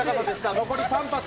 残り３発。